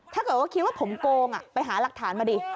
ถ้าเกิดว่าคิดว่าผมโกงไปหาหลักฐานมาดิ